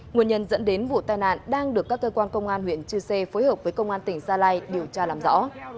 nguyên nhân dẫn đến vụ tai nạn đang được các cơ quan công an huyện chư sê phối hợp với công an tỉnh gia lai điều tra làm rõ